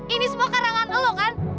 ini semua karangan dulu kan